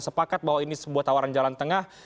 sepakat bahwa ini sebuah tawaran jalan tengah